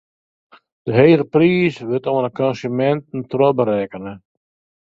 Dy hege priis wurdt oan de konsuminten trochberekkene.